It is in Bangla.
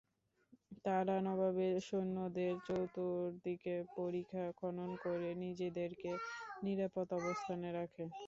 তারা নবাবের সৈন্যদের চতুর্দিকে পরিখা খনন করে নিজেদেরকে নিরাপদ অবস্থানে রাখে।